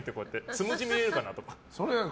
つむじ見えるかなとか。